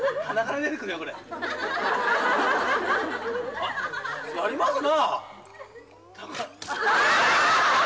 あっやりますな。